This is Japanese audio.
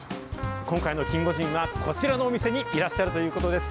今回のキンゴジンはこちらのお店にいらっしゃるということです。